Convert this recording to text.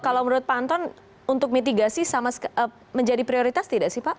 kalau menurut pak anton untuk mitigasi menjadi prioritas tidak sih pak